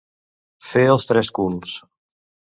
Fer els tres culs.